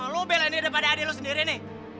lo belain deh daripada adik lo sendiri nih